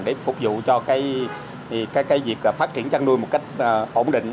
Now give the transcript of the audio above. để phục vụ cho việc phát triển chăn nuôi một cách ổn định